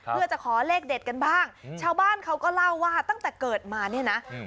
เพื่อจะขอเลขเด็ดกันบ้างชาวบ้านเขาก็เล่าว่าตั้งแต่เกิดมาเนี่ยนะอืม